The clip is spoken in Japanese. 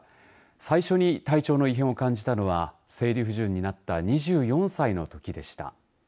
最初に体調の異変を感じたのは生理不順になった２４歳のときでした。